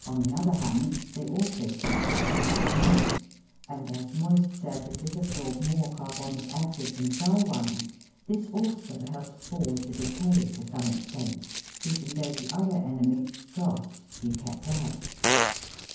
93 the other hand, they also keep the surface moist, and as moist surfaces absorb more carbonic acid than dry ones, this also helps forward the decay to some extent, even though the other enemy frost be kept out.